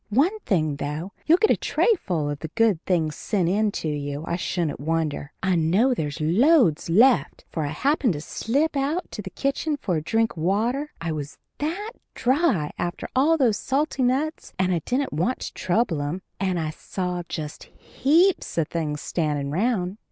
One thing, though, you'll get a trayful of the good things sent in to you, I shouldn't wonder. I know there's loads left, for I happened to slip out to the kitchen for a drink of water I was that dry after all those salty nuts, and I didn't want to trouble 'em and I saw just heaps of things standin' round.